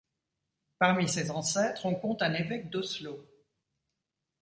Parmi ses ancêtres, on compte un évêque d'Oslo.